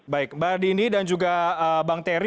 baik mbak dini dan juga bang terry